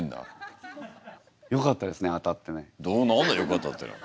何だよかったっていうのは。